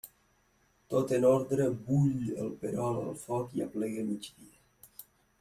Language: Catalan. Tot en ordre, bull el perol al foc i aplega migdia.